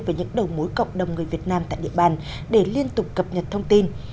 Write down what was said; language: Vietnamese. với những đầu mối cộng đồng người việt nam tại địa bàn để liên tục cập nhật thông tin